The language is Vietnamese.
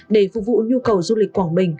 để phục vụ nhu cầu du lịch quảng bình